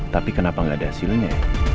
tapi kenapa nggak ada hasilnya